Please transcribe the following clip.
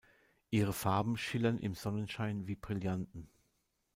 Ihre Farben schillern im Sonnenschein wie Brillanten.